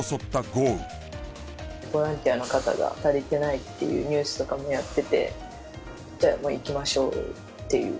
ボランティアの方が足りてないっていうニュースとかもやっててじゃあもう行きましょうよっていう。